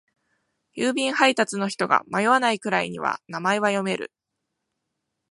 郵便配達の人が迷わないくらいには名前は読める。